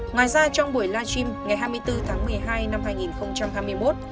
ngoài ra trong buổi live stream ngày hai mươi bốn tháng một mươi hai năm hai nghìn hai mươi một